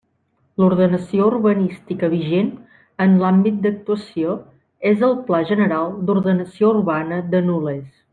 L'ordenació urbanística vigent en l'àmbit d'actuació és el Pla General d'Ordenació Urbana de Nules.